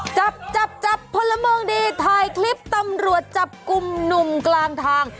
จับจับจับพลเมืองดีถ่ายคลิปตำรวจจับกลุ่มหนุ่มกลางทาง